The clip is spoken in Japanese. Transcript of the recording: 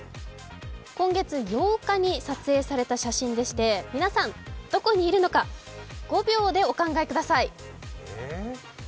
今月８日に撮影された写真でして皆さん、どこにいるのか５秒でお考えください。